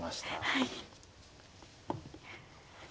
はい。